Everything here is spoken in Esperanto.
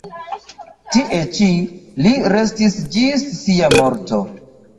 Tie ĉi li restis ĝis sia morto.